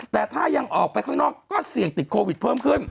แต่ถ้ายังออกไปข้างนอกก็เสี่ยงติดโควิดเพิ่มขึ้น